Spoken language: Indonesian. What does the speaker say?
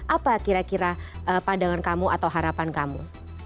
apa kira kira pandangan kamu atau harapan kamu